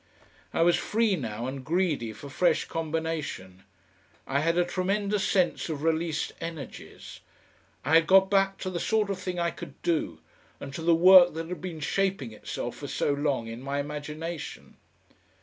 I was free now, and greedy for fresh combination. I had a tremendous sense of released energies. I had got back to the sort of thing I could do, and to the work that had been shaping itself for so long in my imagination.